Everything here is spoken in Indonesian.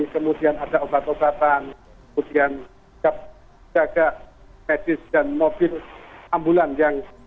semua warga tidak beristirahat atau tidur di jalanan